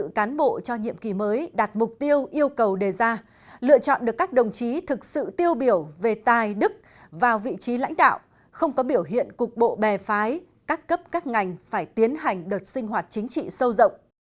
các cán bộ cho nhiệm kỳ mới đạt mục tiêu yêu cầu đề ra lựa chọn được các đồng chí thực sự tiêu biểu về tài đức vào vị trí lãnh đạo không có biểu hiện cục bộ bè phái các cấp các ngành phải tiến hành đợt sinh hoạt chính trị sâu rộng